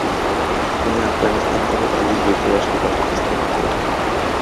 তিনি আফগানিস্তান থেকে পালিয়ে যুক্তরাষ্ট্রে বসতি স্থাপন করেন।